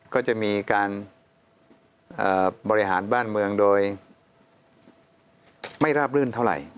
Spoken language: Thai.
ก็จะมีการบริหารบ้านเมืองโดยไม่ราบรื่นเท่าไหร่